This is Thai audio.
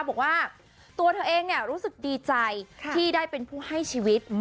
บอกว่าตัวเธอเองรู้สึกดีใจที่ได้เป็นผู้ให้ชีวิต